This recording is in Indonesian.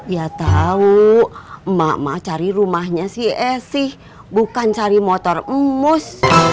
ya tau emak emak cari rumahnya si esy bukan cari motor emus